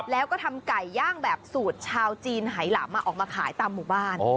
แล้วก็ทำไก่ย่างแบบสูตรชาวจีนไหลำออกมาขายตามหมู่บ้าน